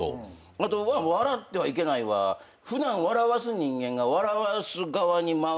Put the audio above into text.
あと「笑ってはいけない」は普段笑わす人間が笑わす側に回る。